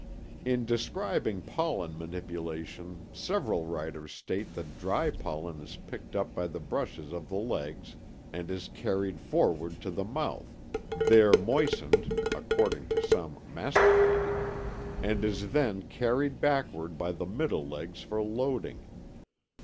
In describing pollen manipulation several writers state that dry pollen is picked up by the brushes of the legs and is carried forward to the mouth, there moistened (according to some, masticated), and is then carried backward by the middle legs for loading.